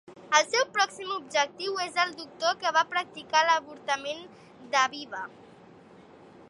El seu pròxim objectiu és el doctor que va practicar l'avortament d'Aviva.